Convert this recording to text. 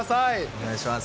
お願いします。